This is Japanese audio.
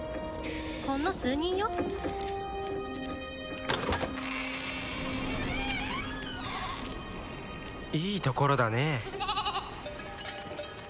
ほんの数人よいいところだねえ